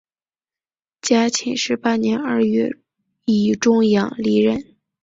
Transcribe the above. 嘉庆十八年二月以终养离任。